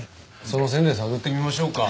その線で探ってみましょうか。